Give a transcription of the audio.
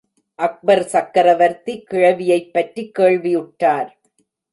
அக்பர் சக்கரவர்த்தி கிழவியைப்பற்றி கேள்வியுற்றார்.